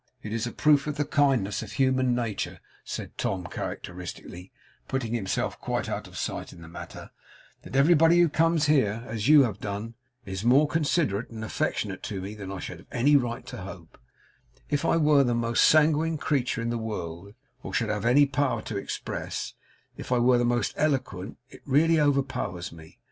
'It's a proof of the kindness of human nature,' said Tom, characteristically putting himself quite out of sight in the matter, 'that everybody who comes here, as you have done, is more considerate and affectionate to me than I should have any right to hope, if I were the most sanguine creature in the world; or should have any power to express, if I were the most eloquent. It really overpowers me.